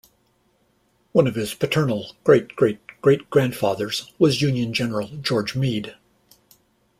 One of his paternal great-great-great-grandfathers was Union General George Meade.